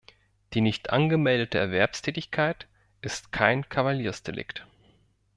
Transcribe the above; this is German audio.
Die nicht angemeldete Erwerbstätigkeit ist kein Kavaliersdelikt.